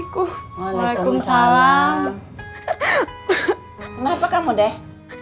kenapa kamu deh